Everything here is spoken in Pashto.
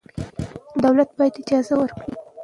دولت باید اجازه ورکړي.